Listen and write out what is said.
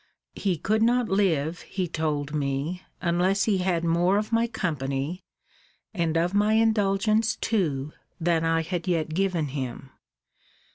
He could not live, he told me, unless he had more of my company, and of my indulgence too, that I had yet given him.